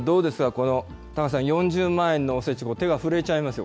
この、高瀬さん、４０万円のおせち、手が震えちゃいますよ。